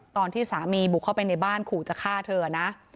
ตอนที่สามีบุกเข้าไปในบ้านขู่จะฆ่าเธอนะ